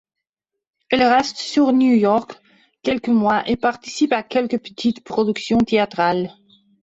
Elle reste sur New York quelques mois et participe à quelques petites productions théâtrales.